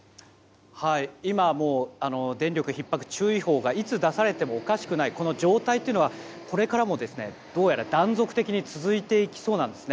今、電力ひっ迫注意報がいつ出されてもおかしくない状態というのはこれからも断続的に続いていきそうなんです。